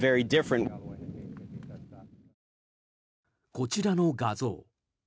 こちらの画像。